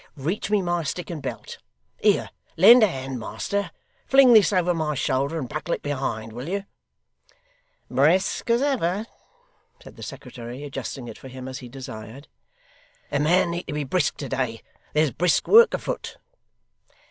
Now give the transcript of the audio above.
Reach me my stick and belt. Here! Lend a hand, master. Fling this over my shoulder, and buckle it behind, will you?' 'Brisk as ever!' said the secretary, adjusting it for him as he desired. 'A man need be brisk to day; there's brisk work a foot.